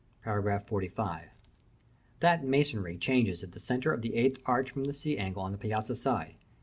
§ XLV. That masonry changes at the centre of the eighth arch from the sea angle on the Piazzetta side.